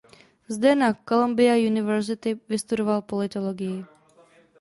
Zde na Columbia University vystudoval politologii.